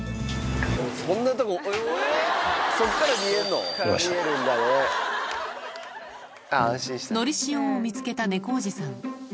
のりしおを見つけたネコおじさん